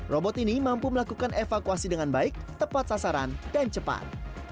robot ini mampu melakukan evakuasi dengan baik tepat sasaran dan cepat